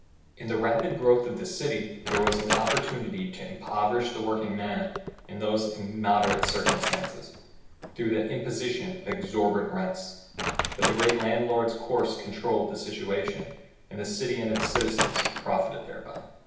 In the rapid growth of the city, there was an op portunity to impoverish the working men and those in moderate circumstances, through the imposition of ex orbitant rents, but the great landlord's course controlled the situation, and the city, and its citizens profited thereby.